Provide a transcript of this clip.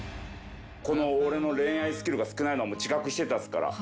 この俺の恋愛スキルが少ないのは自覚してたっすから。